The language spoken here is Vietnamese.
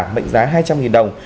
mệnh giá hai trăm linh đồng